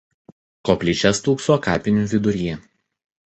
Koplyčia stūkso kapinių viduryje.